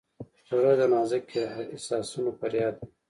زړه د نازک احساسونو فریاد دی.